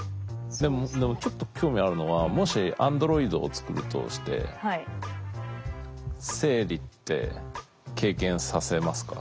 でもちょっと興味あるのはもしアンドロイドを作るとして生理って経験させますか？